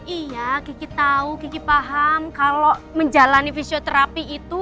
iya kiki tau kiki paham kalau menjalani visioterapi itu